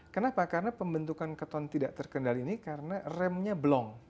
kenapa karena pembentukan keton tidak terkendali ini karena remnya blong